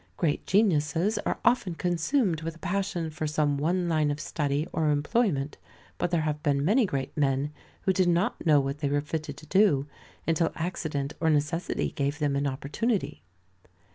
Great geniuses are often consumed with a passion for some one line of study or employment, but there have been many great men who did not know what they were fitted to do until accident or necessity gave them an opportunity.